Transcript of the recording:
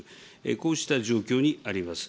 こうした状況にあります。